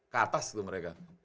ke atas tuh mereka